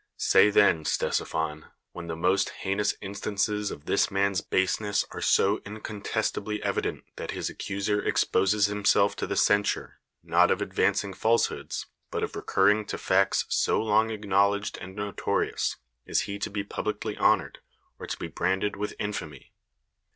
Say then, Ctesiphon, when the most heinous instances of this man's baseness are so incontestably evident that his accuser exposes himself to the censure, not of advancing falsehoods, but of recurring to facts so long acknowledged and notorious, is he to be ])ublicly honored, or to be branded with infamy?